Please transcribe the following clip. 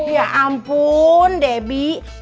ya ampun debbie